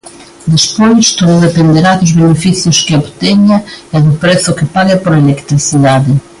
Despois, todo dependerá dos beneficios que obteña e do prezo que pague pola electricidade.